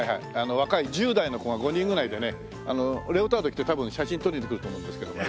若い１０代の子が５人ぐらいでねレオタード着て多分写真撮りに来ると思うんですけどもね。